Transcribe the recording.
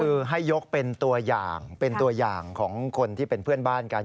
คือให้ยกเป็นตัวอย่างเป็นตัวอย่างของคนที่เป็นเพื่อนบ้านกัน